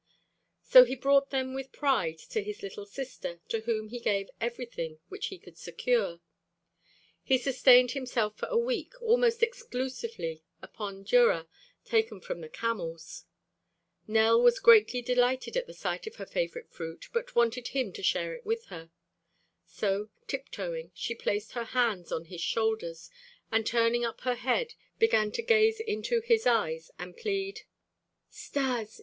So he brought them with pride to his little sister, to whom he gave everything which he could secure; he sustained himself for a week almost exclusively upon durra taken from the camels. Nell was greatly delighted at the sight of her favorite fruit but wanted him to share it with her. So, tiptoeing, she placed her hands on his shoulders, and turning up her head, began to gaze into his eyes and plead: "Stas!